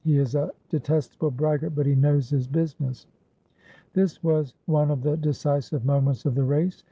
He is a detestable braggart, but he knows his busi ness!" This was one of the decisive moments of the race.